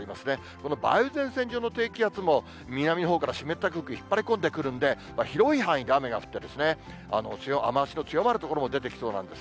この梅雨前線上の低気圧も、南のほうから湿った空気を引っ張り込んでくるんで、広い範囲で雨が降って、雨足の強まる所も出てきそうなんです。